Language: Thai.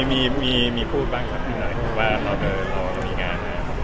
ก็มีมีมีพูดบ้างชัดอีกหน่อยว่าเราอมีงานแล้ว